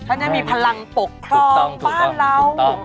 เขาจะมีพลังปกครองบ้านเรา